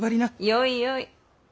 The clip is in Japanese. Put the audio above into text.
よいよい。